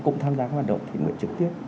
cũng tham gia hoạt động thiết nguyện trực tiếp